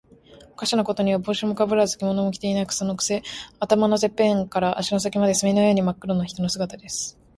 おかしなことには、帽子もかぶらず、着物も着ていない。そのくせ、頭のてっぺんから足の先まで、墨のようにまっ黒な人の姿です。